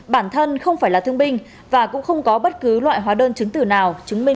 bản thân không phải là thương binh và cũng không có bất cứ loại hóa đơn chứng tử nào chứng minh